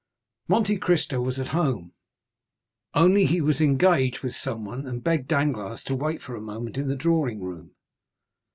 Monte Cristo was at home; only he was engaged with someone and begged Danglars to wait for a moment in the drawing room.